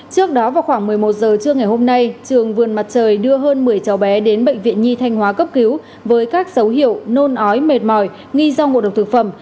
trước đó vào khoảng một mươi một giờ trưa ngày hôm nay trường vườn mặt trời đưa hơn một mươi cháu bé đến bệnh viện nhi thanh hóa cấp cứu với các dấu hiệu nôn ói mệt mỏi nghi do ngộ độc thực phẩm